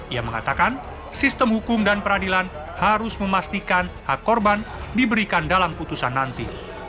ia mengatakan sistem hukum dan peradilan harus memastikan hak korban diberikan dalam putusan nanti